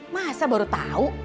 masa baru tau